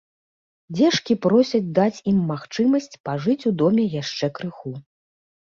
Дзешкі просяць даць ім магчымасць пажыць у доме яшчэ крыху.